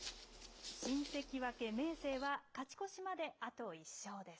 新関脇・明生は勝ち越しまであと１勝です。